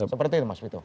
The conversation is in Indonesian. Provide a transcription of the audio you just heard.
seperti itu mas wito